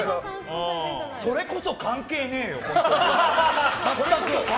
それこそ関係ねえ！よ。